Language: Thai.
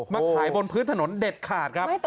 มาขายบนพื้นถนนเด็ดขาดครับ